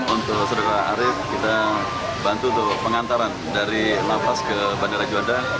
untuk saudara arief kita bantu untuk pengantaran dari lapas ke bandara juanda